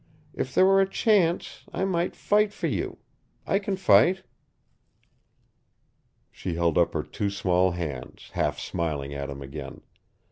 If there were a chance, I might fight for you. I can fight." She held up her two small hands, half smiling at him again.